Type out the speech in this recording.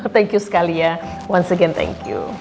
thank you sekali ya once again thank you